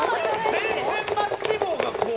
全然マッチ棒がこう。